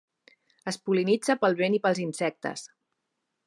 Es pol·linitza pel vent i pels insectes.